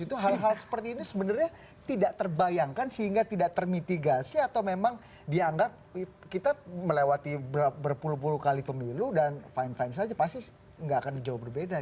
itu hal hal seperti ini sebenarnya tidak terbayangkan sehingga tidak termitigasi atau memang dianggap kita melewati berpuluh puluh kali pemilu dan fine fine saja pasti nggak akan jauh berbeda